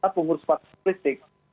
pengurus partai politik